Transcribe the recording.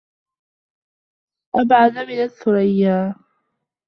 أبعد من الثريا